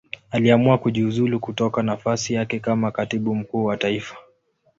Aliamua kujiuzulu kutoka nafasi yake kama Katibu Mkuu wa Taifa.